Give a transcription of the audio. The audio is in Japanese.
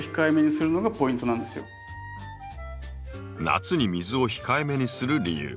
夏に水を控えめにする理由。